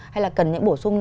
hay là cần những bổ sung